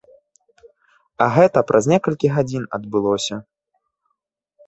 А гэта праз некалькі гадзін адбылося.